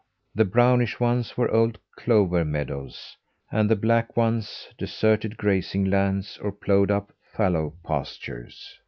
The brownish ones were old clover meadows: and the black ones, deserted grazing lands or ploughed up fallow pastures.